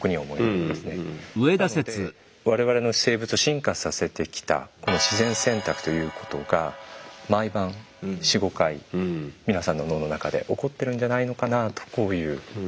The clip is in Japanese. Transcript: なので我々の生物を進化させてきたこの自然選択ということが毎晩４５回皆さんの脳の中で起こってるんじゃないのかなあとこういうこと。